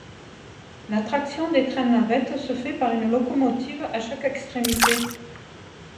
La traction des trains navette se fait par une locomotive à chaque extrémité.